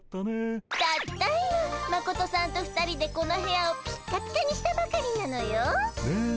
たった今マコトさんと２人でこの部屋をピッカピカにしたばかりなのよ。ね。